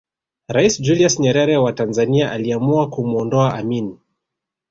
Rais Julius Nyerere wa Tanzania aliamua kumwondoa Amin